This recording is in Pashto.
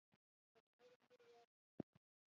تکړه د نورو وار نيسي.